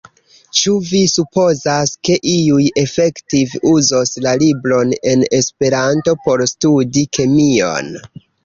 Ĉu vi supozas, ke iuj efektive uzos la libron en Esperanto por studi kemion?